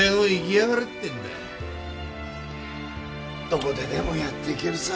どこででもやっていけるさ。